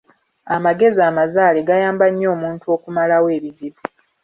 Amagezi amazaale gayamba nnyo omuntu okumalawo ebizibu.